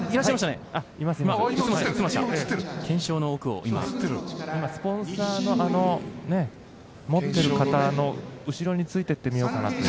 懸賞の奥を今、スポンサーの持ってる方の後ろについていってみようかなと。